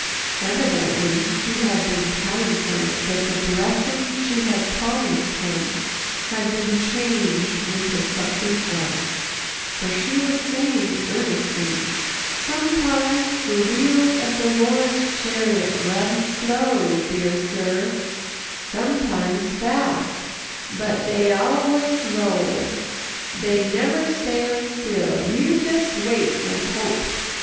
Evidently he had been telling her that the blessing she had promised him had been changed into something else, for she was saying earnestly, "Sometimes the wheels of the Lord's chariot run slow, dear Sir, sometimes fast, but dey always roll. Dey never stand still. You jes' wait an' hope.